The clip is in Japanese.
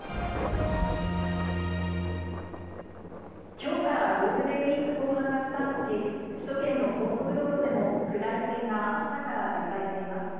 今日からゴールデンウイーク後半がスタートし、首都圏の高速道路でも下り線が朝から渋滞しています。